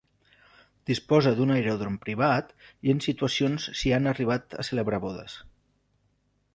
Disposa d'un aeròdrom privat i en situacions s'hi han arribat a celebrar bodes.